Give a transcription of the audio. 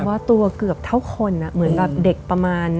ว่าตัวเกือบเท่าคนเหมือนแบบเด็กประมาณ